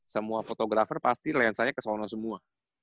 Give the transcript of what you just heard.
semua fotografer pasti lensanya keseluruhannya semua